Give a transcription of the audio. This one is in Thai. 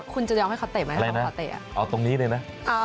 คุณจะยอมให้เขาเตะไหมเตะเอาตรงนี้เลยนะ